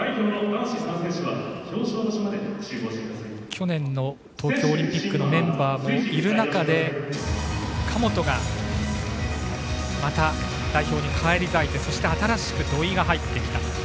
去年の東京オリンピックのメンバーもいる中で神本がまた、代表に返り咲いてそして新しく土井が入ってきた。